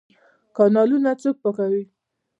کانالونه څوک پاکوي؟